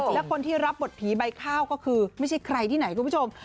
และคนที่รับบทผีใบข้าวก็คือไม่ใช่ใครที่ไหนคุณผู้ชม